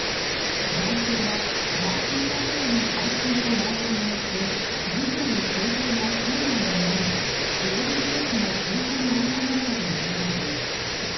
男性は、ガーシー容疑者の配信の内容によって事業の継続が困難となりジュエリーショップの閉鎖に追い込まれたということです。